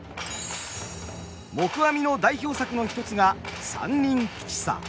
黙阿弥の代表作の一つが「三人吉三」。